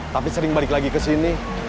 tapi sering balik lagi kesini